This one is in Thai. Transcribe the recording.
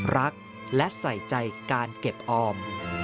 รักและใส่ใจการเก็บออม